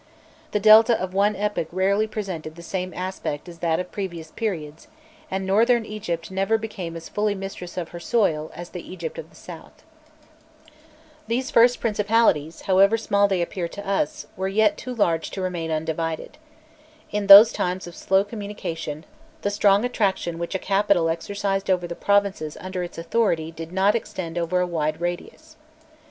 The Delta of one epoch rarely presented the same aspect as that of previous periods, and Northern Egypt never became as fully mistress of her soil as the Egypt of the south. [Illustration: 099.jpg NOMES OF LOWER EGYPT] These first principalities, however small they appear to us, were yet too large to remain undivided. In those times of slow communication, the strong attraction which a capital exercised over the provinces under its authority did not extend over a wide radius.